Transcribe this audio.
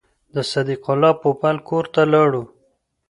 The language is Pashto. د صدیق الله پوپل کور ته ولاړو.